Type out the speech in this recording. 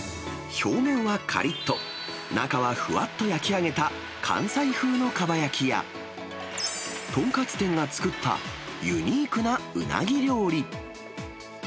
表面はかりっと、中はふわっと焼き上げた関西風のかば焼きや、豚カツ店が作った、ユニークなうなぎ料理。